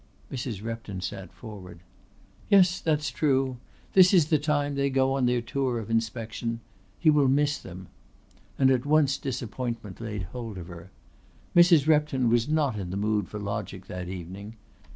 Mrs. Repton sat forward. "Yes, that's true. This is the time they go on their tour of inspection. He will miss them." And at once disappointment laid hold of her. Mrs. Repton was not in the mood for logic that evening.